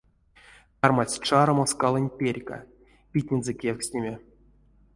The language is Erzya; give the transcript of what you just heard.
Кармась чарамо скалонть перька, питнензэ кевкстнеме.